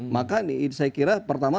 maka ini saya kira pertama